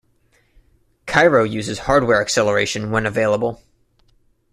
Cairo uses hardware acceleration when available.